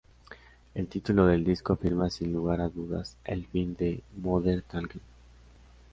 El título del disco afirma sin lugar a dudas el fin de Modern Talking.